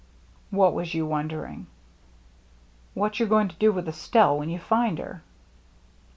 " What was you wondering ?"What you're going to do with Estelle when you find her."